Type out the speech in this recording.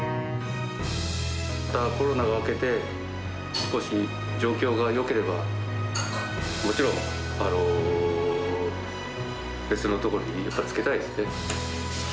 コロナが明けて、少し状況がよければ、もちろん別のところにつけたいですね。